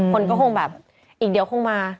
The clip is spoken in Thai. คนก็คงแบบอีกเดี๋ยวคงมา